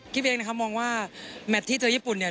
คิดแบบนี้นะครับมองว่าแมทที่เจอญี่ปุ่นเนี่ย